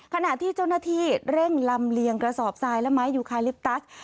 ขณะที่เจ้าหน้าที่เร่งลำเลียงกระสอบทรายและไม้ยูคาลิปตัส